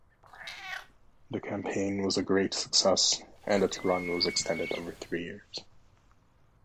The campaign was a great success and its run was extended over three years.